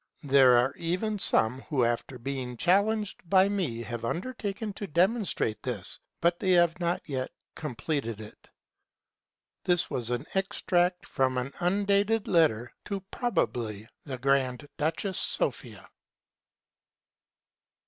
There are even some who after being challenged by me have undertaken to demonstrate this but they have not yet completed it. Extract from an undated letter to (probably) the Grand Duchess Sophia.